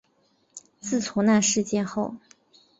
自从那事件后